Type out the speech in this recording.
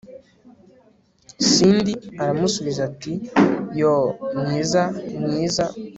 cindy aramusubiza ati 'yoo mwiza mwiza